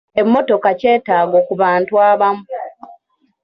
Emmotoka kyetaago ku bantu abamu.